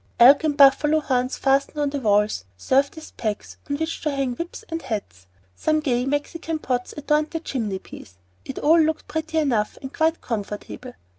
Elk and buffalo horns fastened on the walls served as pegs on which to hang whips and hats. Some gay Mexican pots adorned the chimney piece; it all looked pretty enough and quite comfortable.